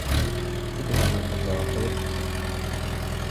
تدعو من أدبر وتولى